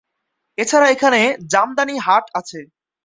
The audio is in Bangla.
এছাড়া এখানে জামদানি হাট আছে।